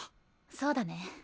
そうだね。